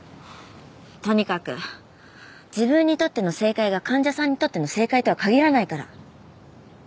とにかく自分にとっての正解が患者さんにとっての正解とは限らないから。